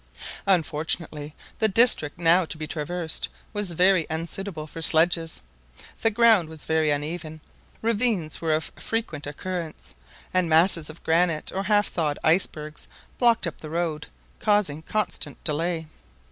Unfortunately, the district now to be traversed was very unsuitable for sledges. The ground was very uneven; ravines were of frequent occurrence; and masses of granite or half thawed icebergs blocked up the road, causing constant delay.